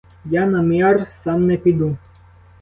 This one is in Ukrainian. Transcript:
Я на мир сам не піду.